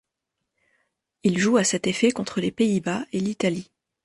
Il joue à cet effet contre les Pays-Bas et l'Italie.